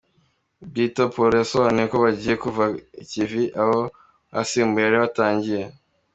Bwito Poro yasobanuye ko bagiye kusa ikivi abo basimbuye bari batangiye.